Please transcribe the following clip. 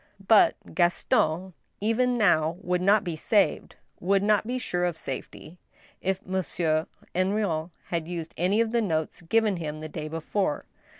But Gaston, even now, would not be saved, would not be sure of safety, if Monsieur Henrion had used any of the notes given him the day before.